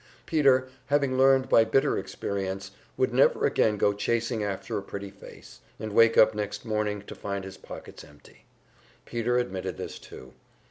Peter, having learned by bitter experience, would never again go chasing after a pretty face, and wake up next morning to find his pockets empty. Peter admitted this too.